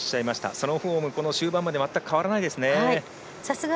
そのフォーム、この終盤まで全く変わらないですね。